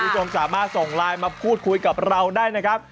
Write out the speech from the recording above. ได้ข่อบันไดเธอสามารถส่งไลน์มาพูดคุยกับเราได้นะครับ